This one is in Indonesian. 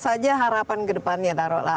saja harapan kedepannya tarotlah